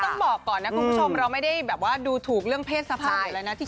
อันนี้ต้องบอกก่อนนะคุณผู้ชมเราไม่ได้ดูถูกเรื่องเพศสภาพอะไรนะ